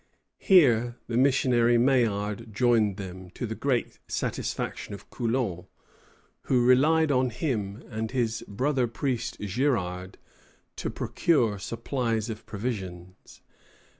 Here the missionary Maillard joined them, to the great satisfaction of Coulon, who relied on him and his brother priest Girard to procure supplies of provisions.